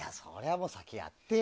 もう、先やってよ。